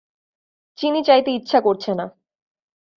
চিনি চাইতে ইচ্ছা করছে না।